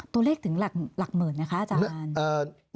ตัวเลขถึงหลักหมื่นไหมคะอาจารย์